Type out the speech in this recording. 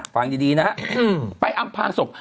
ฟังดีนะครับไปอำพลางศพ